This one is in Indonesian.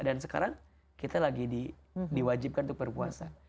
dan sekarang kita lagi diwajibkan untuk berpuasa